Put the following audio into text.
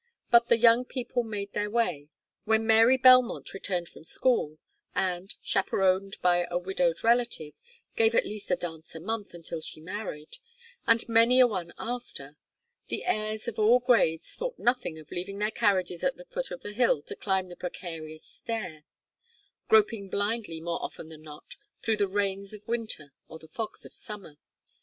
But the young people made their way. When Mary Belmont returned from school, and, chaperoned by a widowed relative, gave at least a dance a month until she married, and many a one after, the heirs of all grades thought nothing of leaving their carriages at the foot of the cliff to climb the precarious stair; groping blindly more often than not through the rains of winter or the fogs of summer.